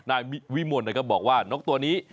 นายวิมวลก็บอกว่านกตัวนี้